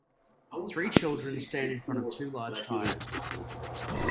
Three children stand in front of two large tires.